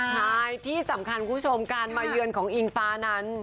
ใช่ที่สำคัญคุณผู้ชมการมาเยือนของอิงฟ้านั้น